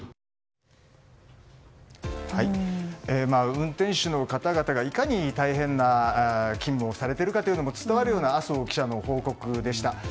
運転手の方々がいかに大変な勤務をされているのかも伝わるような麻生記者の報告でした。